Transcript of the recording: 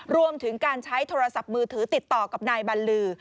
รวมถึงการใช้โทรศัพท์มือถือติดต่อกับนายบัลลือ